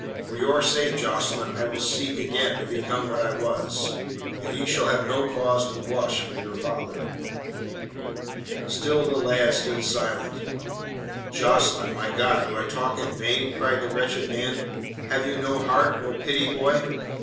For your sake, Jocelyn, I will seek again to become what I was, and you shall have no cause to blush for your father." Still the lad stood silent. "Jocelyn! My God, do I talk in vain?" cried the wretched man. "Have you no heart, no pity, boy?"